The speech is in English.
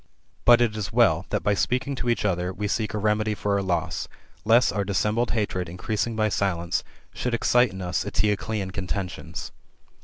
But it is well, that by speaking to each other, we seek a remedy for our loss, lest our GOLDEN ASS, OF APULEIUS. — BOOK X. 179 dissembled hatred increasing by silence, should excite in us Eteoclean contentions."'